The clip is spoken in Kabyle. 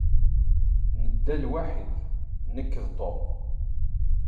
Nedda lwaḥid nekk d Tom.